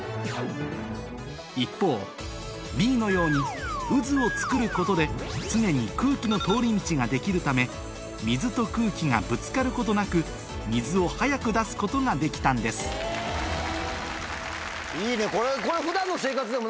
一方Ｂのようにうずをつくることで常に空気の通り道が出来るため水と空気がぶつかることなく水を早く出すことができたんですいいねこれ。